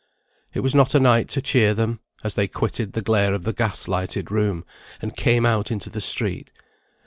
It was not a night to cheer them, as they quitted the glare of the gas lighted room, and came out into the street.